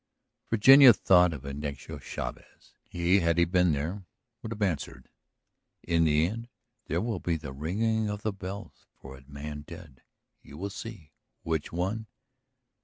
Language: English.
Virginia thought of Ignacio Chavez. He, had he been here, would have answered: "In the end there will be the ringing of the bells for a man dead. You will see! Which one?